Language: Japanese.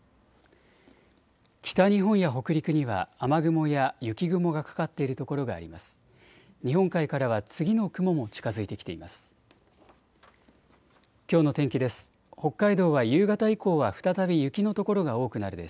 北日本や北陸には雨雲や雪雲がかかっている所があります。